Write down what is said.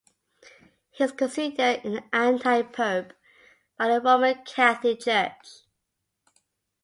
He is considered an anti-pope by the Roman Catholic Church.